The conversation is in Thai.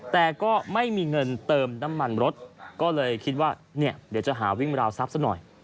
แต่ก็ไม่มีเงินเติมน้ำมันรถก็เลยคิดว่าเนี่ยเดี๋ยวจะหาวิ่งราวทรัพย์ซะหน่อย